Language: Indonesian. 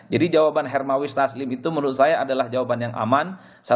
jadi jawaban hermawis naslim itu menurut saya adalah jawaban yang aman